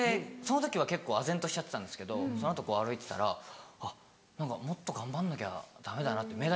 その時は結構あぜんとしちゃってたんですけどその後こう歩いてたらあっ何かもっと頑張んなきゃダメだなって。